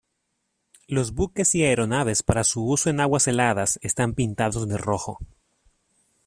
Los buques y aeronaves para su uso en aguas heladas están pintados de rojo.